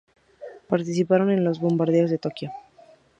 Participaron en los Bombardeos de Tokio.